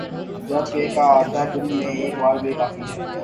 جبکہ کا اعادہ دن میں ایک بار بھی کافی ہے